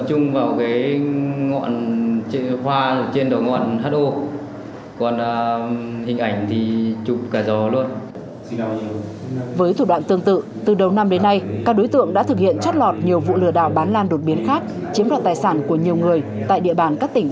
cùng chú huyện yên thủy tỉnh hòa bình là các đối tượng đã lừa bán giỏ lan đột biến ho giả cho anh diễn